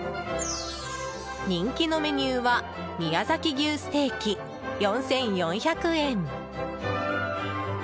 人気のメニューは宮崎牛ステーキ、４４００円。